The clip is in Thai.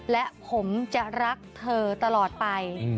และผมจะรักเธอตลอดไป